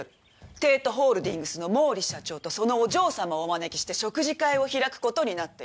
帝都ホールディングスの毛利社長とそのお嬢様をお招きして食事会を開く事になっているの。